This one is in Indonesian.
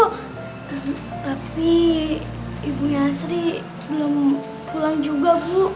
tapi ibunya asri belum pulang juga bu